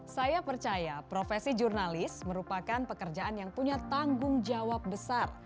saya percaya profesi jurnalis merupakan pekerjaan yang punya tanggung jawab besar